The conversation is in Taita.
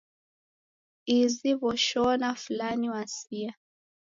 Uzi woshona fulana wasia